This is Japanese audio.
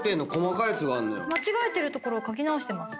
間違えてる所を書き直してます。